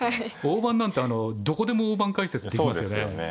大盤なんてどこでも大盤解説ができますよね。